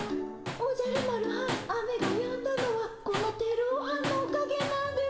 おじゃる丸はん雨がやんだのはこのテルオはんのおかげなんです。